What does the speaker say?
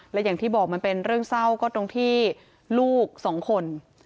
และอย่างที่บอกมันเป็นเรื่องเศร้าก็ตรงที่ลูกสองคน